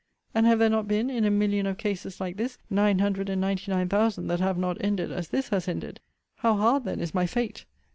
And have there not been, in a million of cases like this, nine hundred and ninty nine thousand that have not ended as this has ended? How hard, then, is my fate!